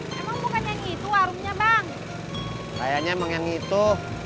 emang bukan yang itu warungnya bang kayaknya emang yang itu